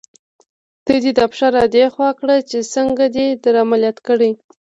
ته دې دا پښه را دې خوا کړه چې څنګه دې در عملیات کړې.